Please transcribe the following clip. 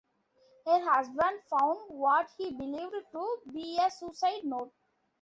Her husband found what he believed to be a suicide note.